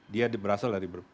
dia berasal dari